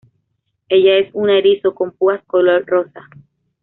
Ella es una erizo con púas color rosa.